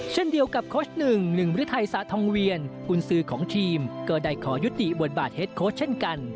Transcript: เช่นเดียวกับโค้ชหนึ่งหนึ่งฤทัยสาธองเวียนกุญสือของทีมก็ได้ขอยุติบทบาทเฮ็ดโค้ชเช่นกัน